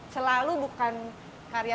selalu bukan karya